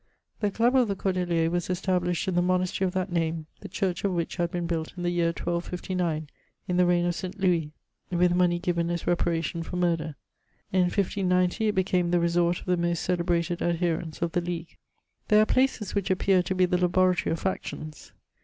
The club of the Cordeliers was established in the monastery of lihat name, the church of which had been built in the year 1259, m the reign of St. Louis, with money given as reparation for murder ;* in 1590, it became the resort of the most celebrated adherents of the League. There are places which appear to be the laboratory of fac tions.